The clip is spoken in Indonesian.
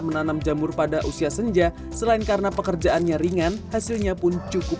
menanam jamur pada usia senja selain karena pekerjaannya ringan hasilnya pun cukup